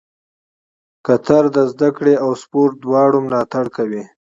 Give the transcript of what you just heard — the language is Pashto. قطر د زده کړې او سپورټ دواړو ملاتړ کوي.